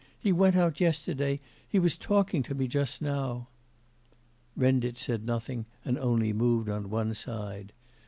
He went out yesterday, he was talking to me just now.' Renditch said nothing and only moved on one side.